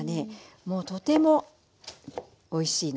もうとてもおいしいの。